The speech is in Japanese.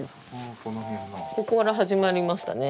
ここから始まりましたね。